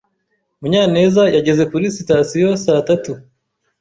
Munyaneza yageze kuri sitasiyo saa tatu.